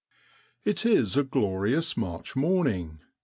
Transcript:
It is a glorious March morning.